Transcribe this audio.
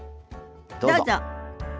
どうぞ。